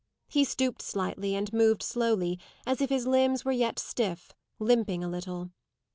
He stooped slightly, and moved slowly, as if his limbs were yet stiff, limping a little.